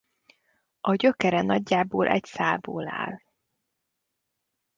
A gyökere nagyjából egy szálból áll.